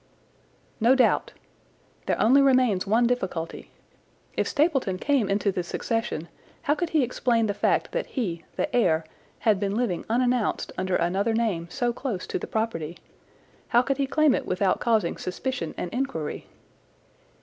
"No doubt. There only remains one difficulty. If Stapleton came into the succession, how could he explain the fact that he, the heir, had been living unannounced under another name so close to the property? How could he claim it without causing suspicion and inquiry?"